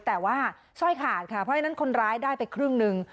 แต่ว่าสร้อยขาดค่ะเพราะฉะนั้นคนร้ายได้ไปครึ่งหนึ่ง